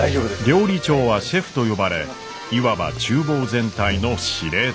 料理長はシェフと呼ばれいわば厨房全体の司令塔。